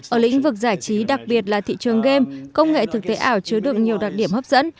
ở lĩnh vực giải trí đặc biệt là thị trường game công nghệ thực tế ảo chứa được nhiều đặc điểm hấp dẫn